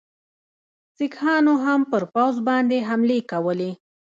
سیکهانو هم پر پوځ باندي حملې کولې.